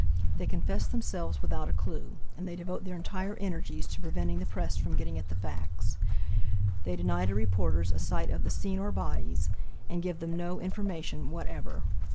They confess themselves without a clue, and they devote their entire energies to preventing the press from getting at the facts. They deny to reporters a sight of the scene or bodies, and give them no information whatever.